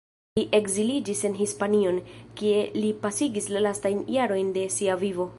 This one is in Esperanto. Li ekziliĝis en Hispanion, kie li pasigis la lastajn jarojn de sia vivo.